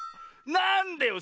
なんでよ